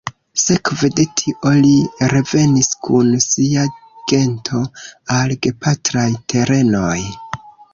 Sekve de tio li revenis kun sia gento al gepatraj terenoj.